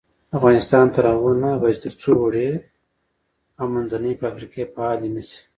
افغانستان تر هغو نه ابادیږي، ترڅو وړې او منځنۍ فابریکې فعالې نشي.